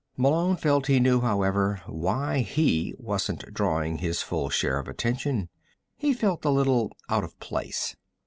Malone felt he knew, however, why he wasn't drawing his full share of attention. He felt a little out of place.